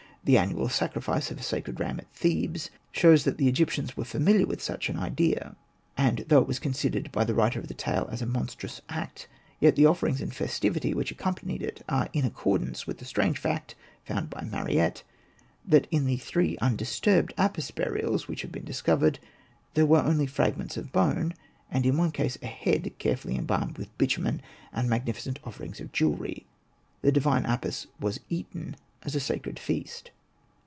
The annual sacrifice of a sacred ram at Thebes shows that the Egyptians were familiar with such an idea. And though it was considered by the writer of this tale as a monstrous act, yet the off^erings and festivity which accompanied it are in accordance with the strange fact found by Mariette, that in the three undisturbed Apis burials which he discovered there were only fragments of bone, and in one case a head, carefully embalmed with bitumen and magnificent offerings of jewellery. The divine Apis was eaten as a sacred feast.